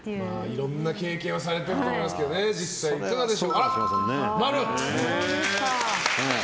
いろいろな経験をされていると思いますが実際いかがでしょうか。